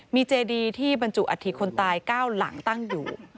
มีเจดีที่บรรจุอัฐิคนตาย๙หลังตั้งอยู่